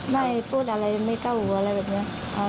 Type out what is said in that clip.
ไม่พูดอะไรไม่เต้าหูอะไรแบบนี้